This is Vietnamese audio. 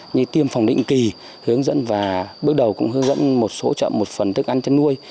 như tiêm phòng định kỳ hướng dẫn và bước đầu cũng hướng dẫn một số chợ một phần thức ăn chăn nuôi